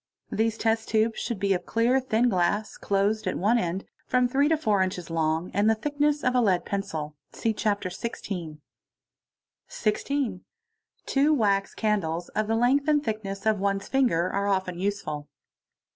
These test Bids should be of clear, thin glass, closed at one end, from three to four nches long, and the thickness of a lead pencil, (see Chapter XVL.). | 16. Two wax candles of the length and thickness of one's finger are often useful.